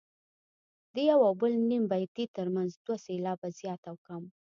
د یو او بل نیم بیتي ترمنځ دوه سېلابه زیات او کم.